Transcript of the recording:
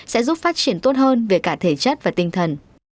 sẽ giúp phát triển tốt hơn về cả thể chất và tinh thần